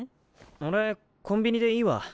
俺コンビニでいいわ。